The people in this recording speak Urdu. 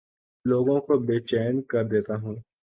لوگوں کو بے چین کر دیتا ہوں